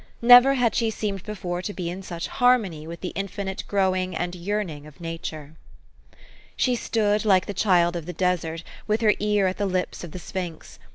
Never had she seemed before to be in such harmony with the infinite growing and yearning of Nature. She stood like the child of the desert, with her ear THE STORY OF AVIS. 97 at the lips of the sphinx.